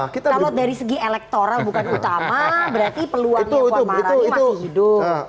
kalau dari segi elektoral bukan utama berarti peluangnya puan maharani masih hidup